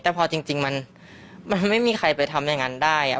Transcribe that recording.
แต่พอจริงจริงมันมันไม่มีใครไปทำยังงั้นได้อ่ะ